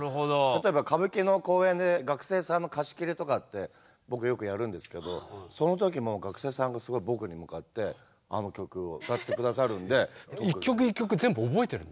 例えば歌舞伎の公演で学生さんの貸し切りとかって僕よくやるんですけどその時も学生さんがすごい僕に向かってあの曲を歌って下さるんで。